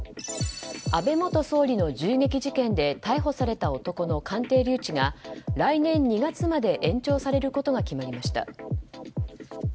安倍元総理の銃撃事件で逮捕された男の鑑定留置が、来年２月まで延長されることが決まりました。